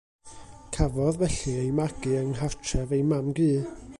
Cafodd, felly, ei magu yng nghartref ei mam-gu.